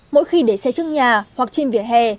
mỗi khi để xe trước nhà hoặc trên vỉa hè